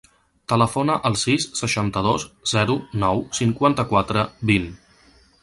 Telefona al sis, seixanta-dos, zero, nou, cinquanta-quatre, vint.